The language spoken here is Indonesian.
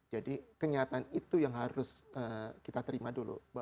jadi kenyataan itu yang harus kita terima dulu